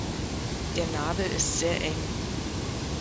Der Nabel ist sehr eng.